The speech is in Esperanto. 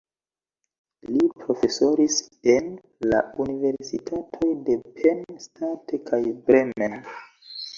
Li profesoris en la universitatoj de Penn State kaj Bremen.